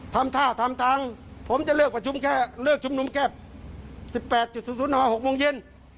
ทำท่าทำทางผมจะเลิกประชุมแค่เลิกชุมนุมแค่๑๘๐๐๖โมงเย็น